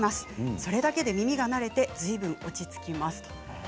それだけで耳が慣れてずいぶん落ち着きます。